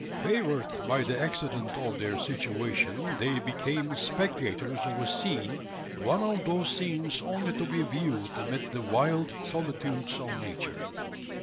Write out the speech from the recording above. Favoured by the accident of their situation, they became spectators of a scene one of those scenes only to be viewed amid the wild solitudes of Nature.